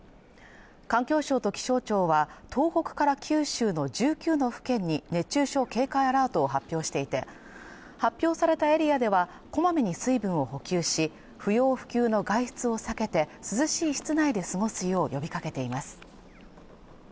環境省と気象庁は東北から九州の１９の府県に熱中症警戒アラートを発表していて発表されたエリアではこまめに水分を補給し不要不急の外出を避けて涼しい室内で過ごすよう呼びかけています